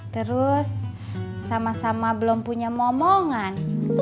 terus sama sama belum punya momongan